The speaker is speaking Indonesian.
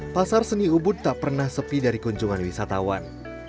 pasar seni ubud tak pernah sepi dari kunjungan wisatawan